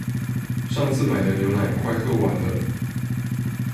上次買的牛奶快喝完了